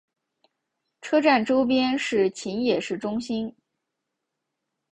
车站周边是秦野市中心。